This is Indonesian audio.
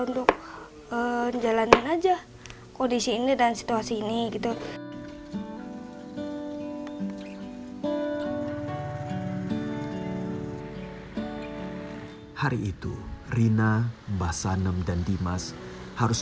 untuk jalanin aja kondisi ini dan situasi ini gitu hai hari itu rina mbah sanem dan dimas harus